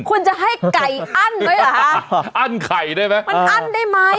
คุณจะให้ไก่อั้นไว้เหรอคะอั้นไข่ได้ไหมมันอั้นได้ไหม